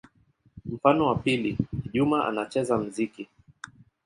Mfano wa pili: Juma anacheza muziki.